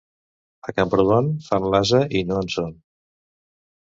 A Camprodon fan l'ase i no en són.